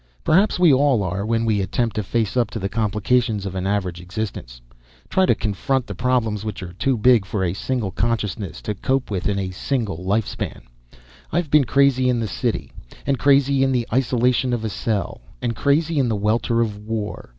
Perhaps we all are, when we attempt to face up to the complications of an average existence, try to confront the problems which are too big for a single consciousness to cope with in a single life span. I've been crazy in the city, and crazy in the isolation of a cell, and crazy in the welter of war.